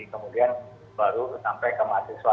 kemudian baru sampai ke mahasiswa